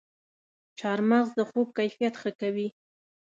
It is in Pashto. چارمغز د خوب کیفیت ښه کوي.